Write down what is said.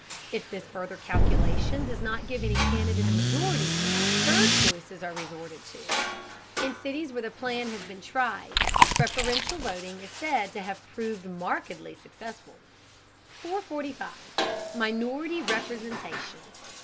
If this further calculation does not give any candidate a majority, third choices are resorted to. In cities where the plan has been tried, preferential voting is said to have proved markedly successful. 445. MINORITY REPRESENTATION.